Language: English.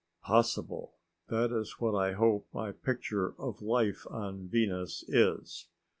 Possible! That is what I hope my picture of life on Venus is.